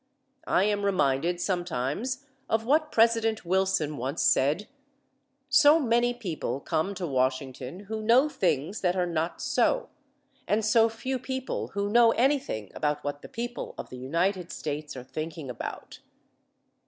I am reminded sometimes of what President Wilson once said: "So many people come to Washington who know things that are not so, and so few people who know anything about what the people of the United States are thinking about."